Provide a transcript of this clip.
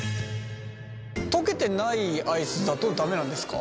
溶けてないアイスだと駄目なんですか？